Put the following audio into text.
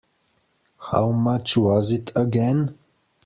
How much was it again?